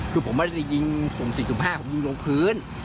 คือผมไม่ได้ยิงผม๔๕ผมยิงลงพื้น